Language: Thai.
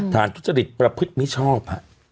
ฐานทุจริตประพฤติไม่ชอบฮะ